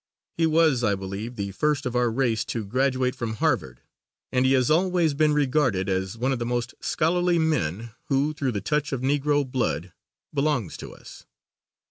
He was, I believe, the first of our race to graduate from Harvard and he has always been regarded as one of the most scholarly men who, through the touch of Negro blood, belongs to us.